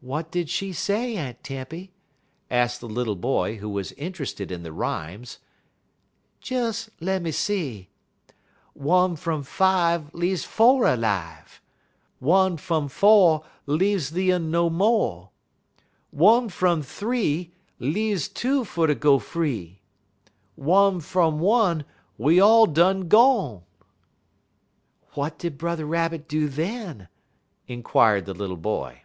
"What did she say, Aunt Tempy?" asked the little boy, who was interested in the rhymes. "Des lemme see "'One frun five Leaves four alive; "'One frun four Leaves th'ee un no mo'; "'One frun th'ee Leaves two ter go free; "'One frun one, Un all done gone.'" "What did Brother Rabbit do then?" inquired the little boy.